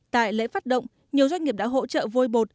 tại lễ phát động nhiều doanh nghiệp đã hỗ trợ vôi bột